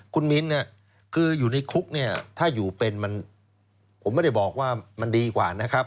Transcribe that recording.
คุณมิ้นคืออยู่ในคุกเนี่ยถ้าอยู่เป็นผมไม่ได้บอกว่ามันดีกว่านะครับ